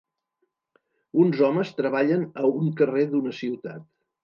Uns homes treballen a un carrer d'una ciutat.